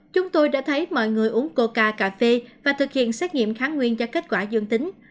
chúng tôi đã thấy mọi người uống cô cà phê và thực hiện xét nghiệm kháng nguyên cho kết quả dương tính